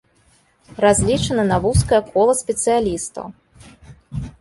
Разлічаны на вузкае кола спецыялістаў.